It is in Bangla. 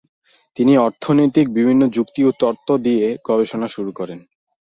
তিনি অর্থনৈতিক বিভিন্ন যুক্তি ও তত্ত্ব নিয়ে গবেষণা শুরু করেন।